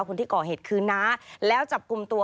คนที่ก่อเหตุคือน้าแล้วจับกลุ่มตัว